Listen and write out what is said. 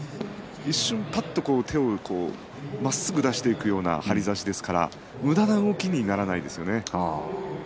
一瞬手をまっすぐ出していくような張り差しですからとむだな動きにはなりません。